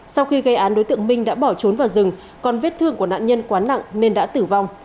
sau khi gây án đối tượng minh đã bỏ trốn vào rừng còn vết thương của nạn nhân quá nặng nên đã tử vong